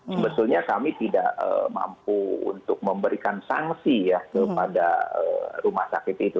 sebetulnya kami tidak mampu untuk memberikan sanksi ya kepada rumah sakit itu